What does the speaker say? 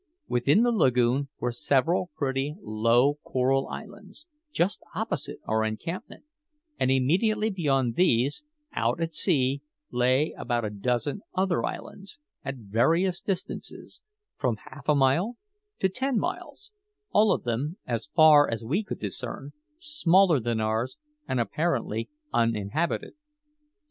Within the lagoon were several pretty, low coral islands, just opposite our encampment; and immediately beyond these, out at sea, lay about a dozen other islands, at various distances, from half a mile to ten miles all of them, as far as we could discern, smaller than ours and apparently uninhabited.